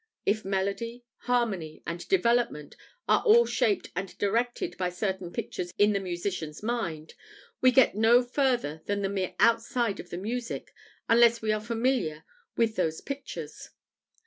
if melody, harmony, and development are all shaped and directed by certain pictures in the musician's mind, we get no further than the mere outside of the music unless we are familiar with those pictures."